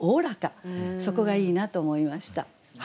そこがいいなと思いました。